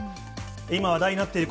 今、話題になっている